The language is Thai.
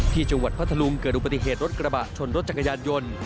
ที่จังหวัดพัทธลุงเกิดอุปติเหตุรถกระบะชนรถจังกายานยนต์